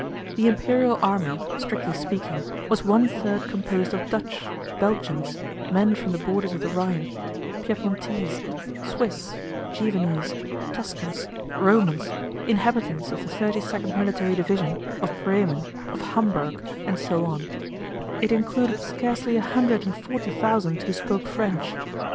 The Imperial army, strictly speaking, was one third composed of Dutch, Belgians, men from the borders of the Rhine, Piedmontese, Swiss, Genevese, Tuscans, Romans, inhabitants of the Thirty second Military Division, of Bremen, of Hamburg, and so on: it included scarcely a hundred and forty thousand who spoke French.